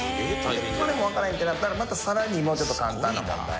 これもわからへんってなったらまたさらにもうちょっと簡単な問題。